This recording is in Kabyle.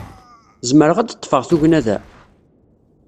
Zemreɣ ad d-ḍḍfeɣ tugna da?